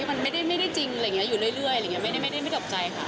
มันไม่ได้จริงอยู่เรื่อยไม่ได้ไม่ได้อบใจค่ะ